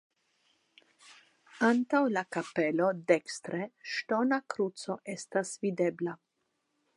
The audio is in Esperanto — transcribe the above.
Antaŭ la kapelo dekstre ŝtona kruco estas videbla.